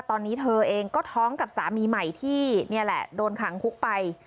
ตอนนี้เธอเองก็ท้องกับสามีใหม่ที่นี่แหละโดนขังคุกไป